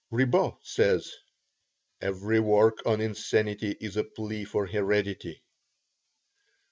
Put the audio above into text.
Ribot says: "Every work on insanity is a plea for heredity."